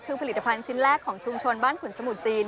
คือผลิตภัณฑ์ชิ้นแรกของชุมชนบ้านขุนสมุทรจีน